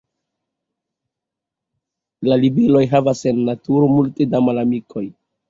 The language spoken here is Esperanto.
La libeloj havas en naturo multe da malamikoj.